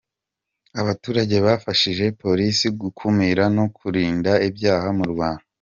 abaturage bafashije Polisi gukumira no kurinda ibyaha mu Rwanda.